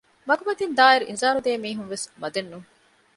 މަގުމަތިން ދާއިރު އިންޒާރު ދޭ މީހުން ވެސް މަދެއް ނޫން